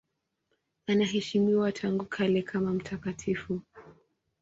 Anaheshimiwa tangu kale kama mtakatifu.